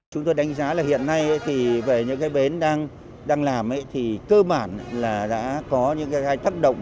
chúng tôi đánh giá là hiện nay thì về những cái bến đang làm thì cơ bản là đã có những cái tác động